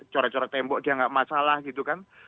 corek corek tembok dia nggak masalah gitu kan